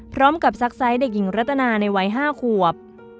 พร้อมกับสักไซส์เด็กหญิงรัตนาในวัย๕ควบ